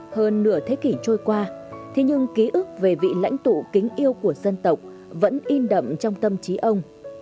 hơn nửa thế kỷ trôi qua thế nhưng ký ức về vị lãnh tụ kính yêu của dân tộc vẫn in đậm trong tâm trí ông